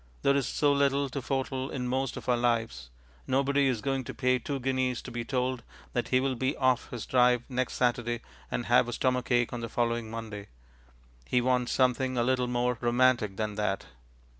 There is so little to foretell in most of our lives. Nobody is going to pay two guineas to be told that he will be off his drive next Saturday and have a stomach ache on the following Monday. He wants something a little more romantic than that.